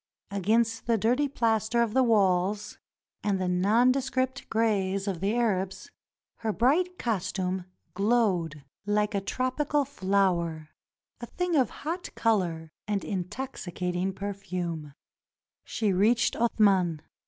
Against the dirty plaster of the walls and the nondescript grays of the Arabs, her bright costume glowed like a tropical flower — a thing of hot color and intoxicating perfume. She reached Athman.